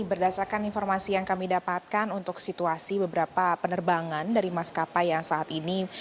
berdasarkan informasi yang kami dapatkan untuk situasi beberapa penerbangan dari maskapai yang saat ini